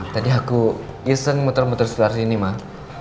tadi aku isn't muter muter setelah sini mah